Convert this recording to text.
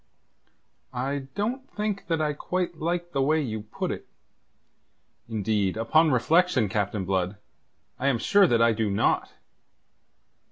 "I don't think that I quite like the way you put it. Indeed, upon reflection, Captain Blood, I am sure that I do not."